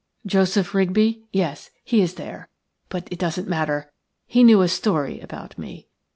"Joseph Rigby – yes, he is there, but it doesn't matter; he knew a story about me.